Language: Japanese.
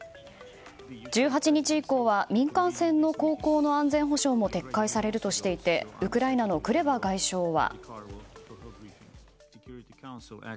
１８日以降は民間船の航行の安全保障も撤回されるとしていてウクライナのクレバ外相は。